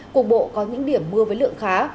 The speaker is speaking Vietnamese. cục bộ có những điểm mưa với lượng khá